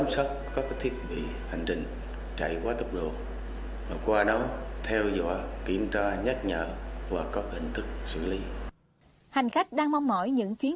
các bạn hãy đăng ký kênh để ủng hộ kênh của chúng mình nhé